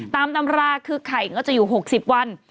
ตามตำราคือไข่ก็จะอยู่๖๐วัน